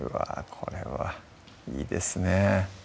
これはいいですね